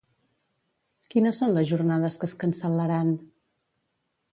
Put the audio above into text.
Quines són les jornades que es cancel·laran?